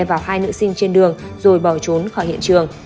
vào hai nữ sinh trên đường rồi bỏ trốn khỏi hiện trường